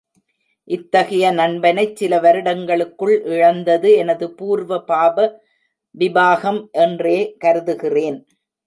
இத்தகைய நண்பனைச் சில வருடங்களுக்குள் இழந்தது எனது பூர்வபாபவி பாகம் என்றே கருதுகிறேன்.